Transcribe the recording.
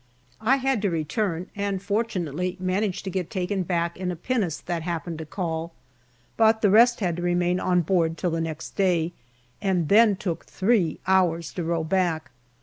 I had to return, and fortunately managed to get taken back in a pinnace that happened to call ; but the rest had to remain on board till the next day, and then took three hours to row back.